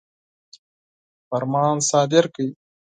فرمان صادر کړ.